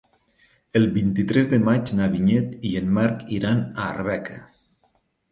El vint-i-tres de maig na Vinyet i en Marc iran a Arbeca.